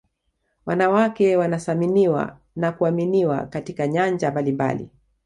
wanawake wanasaminiwa na kuaminiwa katika nyanja mbalimbali